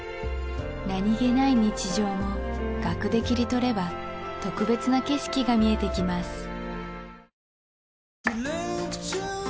何気ない日常も額で切り取れば特別な景色が見えてきます